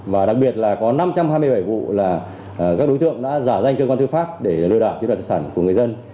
và đặc biệt là có năm trăm hai mươi bảy vụ là các đối tượng đã giả danh cơ quan tư pháp để lừa đảo chiếm đoạt tài sản của người dân